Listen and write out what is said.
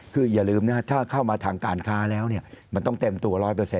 คืออย่าลืมนะถ้าเข้ามาทางการค้าแล้วมันต้องเต็มตัว๑๐๐